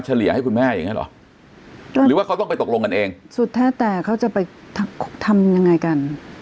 ลี่ยให้คุณแม่อย่างเงี้เหรอหรือว่าเขาต้องไปตกลงกันเองสุดแท้แต่เขาจะไปทำยังไงกัน